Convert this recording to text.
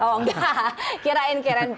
oh enggak kirain kirain